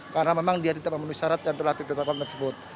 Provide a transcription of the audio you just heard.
karena memang dia tidak memenuhi syarat yang telah ditetapkan tersebut